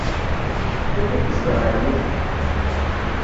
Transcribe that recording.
Anda ay yezdeɣ ɛemmi-k?